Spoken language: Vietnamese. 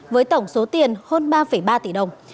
với tổng số tiền hơn ba ba tỷ đồng